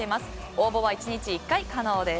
応募は１日１回、可能です。